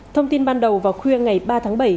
thông tin ban đầu vào khuya ngày ba tháng bảy